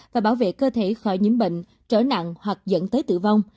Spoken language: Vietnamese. và bảo vệ cơ thể khỏi nhiễm bệnh trở nặng hoặc dẫn tới tử vong